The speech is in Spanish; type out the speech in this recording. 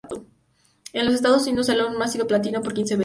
En los Estados Unidos, el álbum ha sido platino por quince veces.